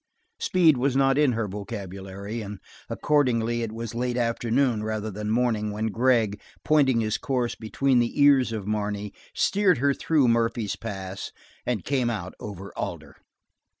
Speed was not in her vocabulary, and accordingly it was late afternoon rather than morning when Gregg, pointing his course between the ears of Marne, steered her through Murphy's Pass and came out over Alder.